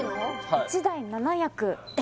１台７役え？